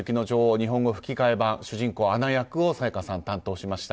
日本語吹き替え版主人公アナ役を沙也加さん担当しました。